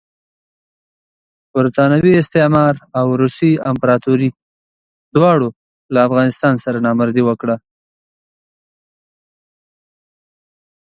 برټانوي استعمار او روسي امپراطوري دواړو له افغانستان سره نامردي وکړه.